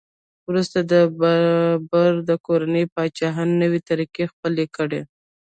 وروسته د بابر د کورنۍ پاچاهانو نوې طریقې خپلې کړې.